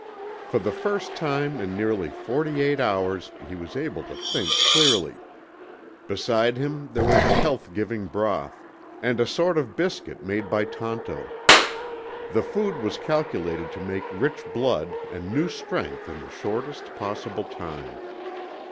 For the first time in nearly forty eight hours he was able to think clearly. Beside him there was a health giving broth, and a sort of biscuit made by Tonto. The food was calculated to make rich blood and new strength in the shortest possible time.